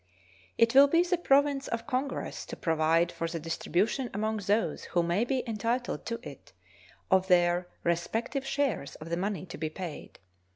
It will be the province of Congress to provide for the distribution among those who may be entitled to it of their respective shares of the money to be paid.